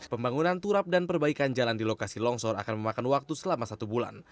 pembangunan turap dan perbaikan jalan di lokasi longsor akan memakan waktu selama satu bulan